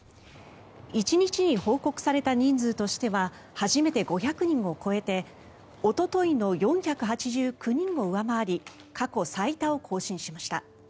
１日に報告された人数としては初めて５００人を超えておとといの４８９人を上回り過去最多を更新しました。